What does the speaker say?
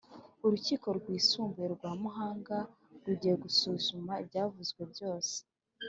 Urukiko rwisumbuye rwa Muhanga rugiye gusuzuma ibyavuzwe byose